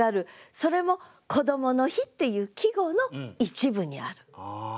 それも「こどもの日」っていう季語の一部にある。